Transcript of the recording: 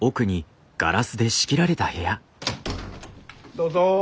どうぞ。